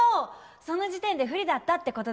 その時点で不利だったってことですね。